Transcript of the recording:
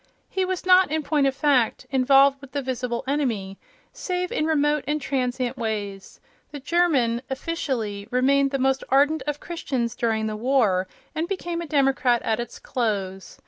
He was not, in point of fact, involved with the visible enemy, save in remote and transient ways; the German, officially, remained the most ardent of Christians during the war and became a democrat at its close.